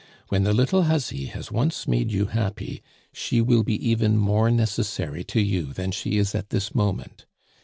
When the little huzzy has once made you happy, she will be even more necessary to you than she is at this moment.